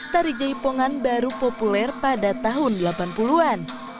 tari jaipongan baru populer pada tahun delapan puluh an